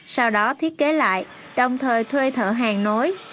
sau đó thiết kế lại đồng thời thuê thợ hàng nối